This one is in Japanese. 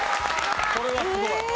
これはすごい。